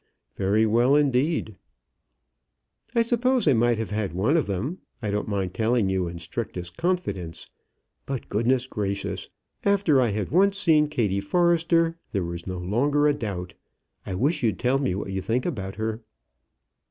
"Very well indeed." "I suppose I might have had one of them; I don't mind telling you in strictest confidence. But, goodness gracious, after I had once seen Kattie Forrester, there was no longer a doubt. I wish you'd tell me what you think about her."